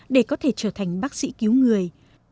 để có thể trở thành bác sĩ cứu người